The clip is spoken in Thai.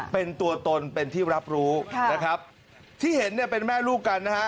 เป็นตัวตนเป็นที่รับรู้นะครับที่เห็นเนี่ยเป็นแม่ลูกกันนะฮะ